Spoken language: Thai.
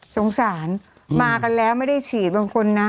สงสารมากันแล้วไม่ได้ฉีดบางคนนะ